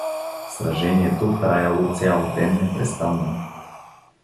Сражението траяло цял ден непрестанно.